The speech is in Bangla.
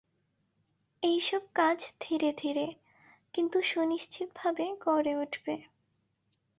এই সব কাজ ধীরে ধীরে, কিন্তু সুনিশ্চিতভাবে গড়ে উঠবে।